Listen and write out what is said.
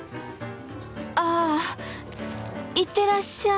あ行ってらっしゃい。